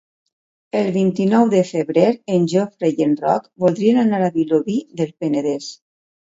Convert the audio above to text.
El vint-i-nou de febrer en Jofre i en Roc voldrien anar a Vilobí del Penedès.